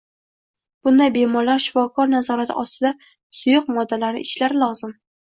Bunday bemorlar shifokor nazorati ostida suyuq moddalarni ichishlari lozim.